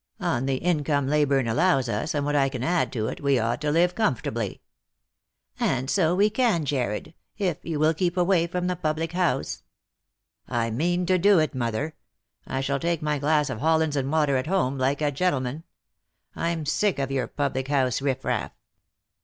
On the income Leyburne allows us, aud what I can add to it, we ought to live comfortably." " And so we can, Jarred, if you will keep away from the public house." " I mean to do it, mother. I shall take my glass of hollands and water at home like a gentleman. I'm sick of your public house riffraff."